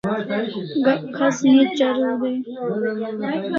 Gak khas ne chariu day